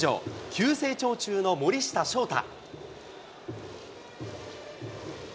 急成長中の森下翔太。